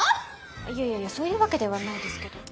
いやいやそういうわけではないですけど。